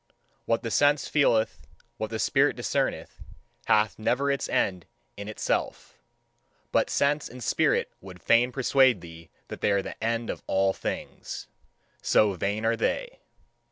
What the sense feeleth, what the spirit discerneth, hath never its end in itself. But sense and spirit would fain persuade thee that they are the end of all things: so vain are they.